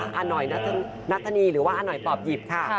อาหน่อยนัทธนีหรือว่าอาหน่อยตอบหยิบค่ะ